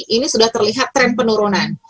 ini sudah terlihat tren penurunan